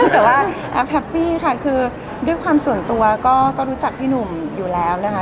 แต่ว่าแอฟแฮปปี้ค่ะคือด้วยความส่วนตัวก็รู้จักพี่หนุ่มอยู่แล้วนะคะ